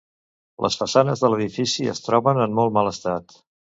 Les façanes de l'edifici es troben en molt mal estat.